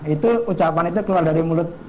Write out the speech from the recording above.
itu ucapan itu keluar dari mulut